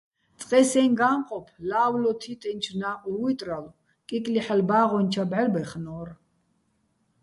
წყე სეჼ გა́ნყოფ ლავლო თიტენჩო̆ ნა́ყვ ვუჲტრალო̆, კიკლიჰ̦ალო̆ ბა́ღუჲნი̆ ჩა ბჵარბაჲხნო́რ.